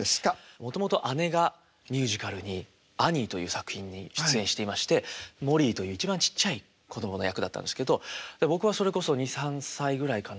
もともと姉がミュージカルに「アニー」という作品に出演していましてモリーという一番ちっちゃい子供の役だったんですけど僕はそれこそ２３歳ぐらいかな。